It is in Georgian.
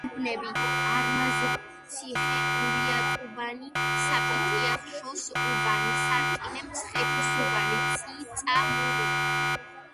უბნები: არმაზციხე, ურიატუბანი, საპიტიახშოს უბანი, სარკინე, მცხეთისუბანი, წიწამური